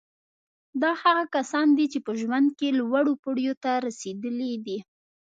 دا هغه کسان دي چې په ژوند کې لوړو پوړیو ته رسېدلي دي